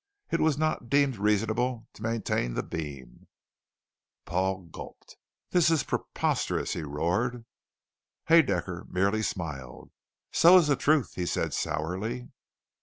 It was not deemed reasonable to maintain the beam " Paul gulped. "This is preposterous," he roared. Haedaecker merely smiled. "So is the truth," he said sourly.